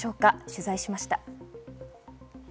取材しました。